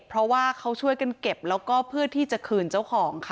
เพราะว่าเขาช่วยกันเก็บแล้วก็เพื่อที่จะคืนเจ้าของค่ะ